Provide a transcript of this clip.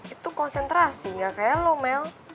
itu konsentrasi gak kayak lo mel